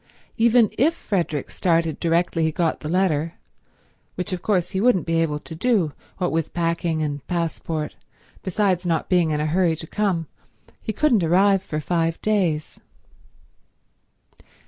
Even if Frederick started directly he got the letter, which of course he wouldn't be able to do, what with packing and passport, besides not being in a hurry to come, he couldn't arrive for five days.